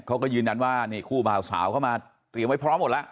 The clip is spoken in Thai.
เขาก็ยืนยันว่านี่คู่บ่าวสาวเข้ามาเตรียมไว้พร้อมหมดแล้ว